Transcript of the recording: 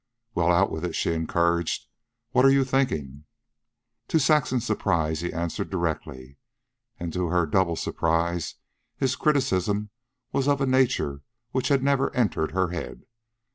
"Well, out with it," she encouraged. "What are you thinking?" To Saxon's surprise, he answered directly, and to her double surprise, his criticism was of a nature which had never entered her head.